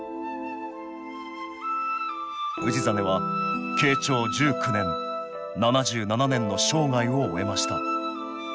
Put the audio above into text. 氏真は慶長１９年７７年の生涯を終えました